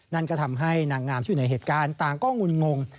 นั่นก็ทำให้นางงามที่อยู่ในเหตุการณ์ต่างก็งุ่นงง